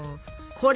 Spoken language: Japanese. これ。